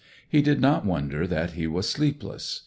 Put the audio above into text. He did not wonder that he was sleepless.